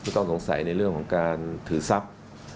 ต้องสงสัยในเรื่องของการถือทรัพย์